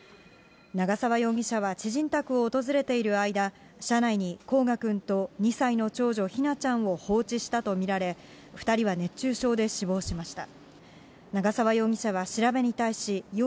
長沢容疑者は知人宅を訪れている間、車内に煌翔くんと２歳の長女姫椰ちゃんを放置したと見られ、２人は熱中症で死亡しました。